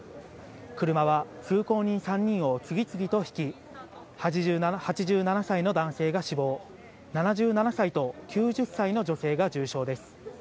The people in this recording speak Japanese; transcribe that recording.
車は通行人３人を次々とひき、８７歳の男性が死亡、７７歳と９０歳の女性が重傷です。